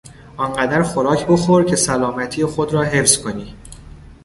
آنقدر خوراک بخور که سلامتی خود را حفظ کنی.